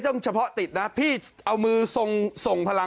ทำไมติดอย่างนี่